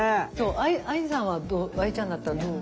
ＡＩさんはＡＩちゃんだったらどう？